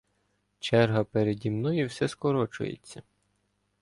Черга переді мною все скорочується.